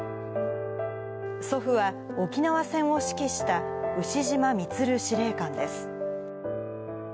祖父は沖縄戦を指揮した牛島満司令官です。